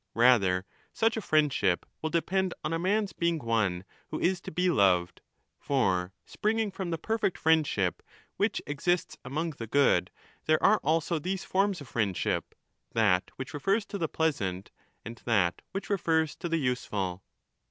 Rather such a friend ship will depend on a man's being one who is to be loved. For springing from the perfect friendship which exists among the good there are also these forms of friendship, that which refers to the pleasant and that which refers to the useful.